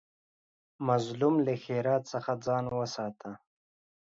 مظلوم له ښېرا څخه ځان وساته